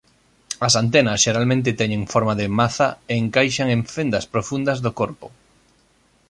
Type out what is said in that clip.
As antenas xeralmente teñen forma de maza e encaixan en fendas profundas do corpo.